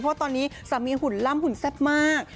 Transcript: เพราะว่าตอนนี้สามีหุ่นล่ำหุ่นแซ่บมาก